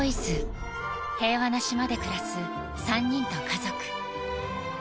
平和な島で暮らす３人と家族。